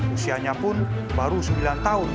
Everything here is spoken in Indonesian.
usianya pun baru sembilan tahun